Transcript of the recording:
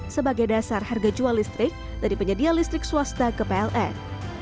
sebagai dasar harga jual listrik dari penyedia listrik swasta ke pln